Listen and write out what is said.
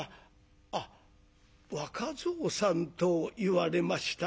あっ若蔵さんといわれましたな。